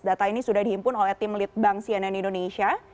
data ini sudah dihimpun oleh tim litbang cnn indonesia